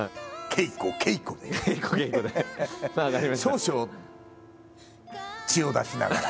少々血を出しながら。